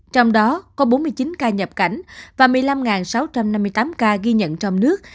trong đó có bốn mươi chín ca nhập cảnh và một mươi năm sáu trăm năm mươi tám ca ghi nhận trong nước